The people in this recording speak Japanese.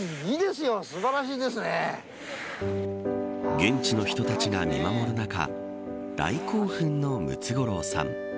現地の人たちが見守る中大興奮のムツゴロウさん。